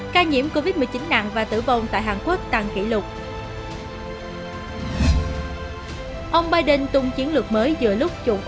ca nhiễm covid một mươi chín nặng và tử vong tại hàn quốc tăng kỷ lục mới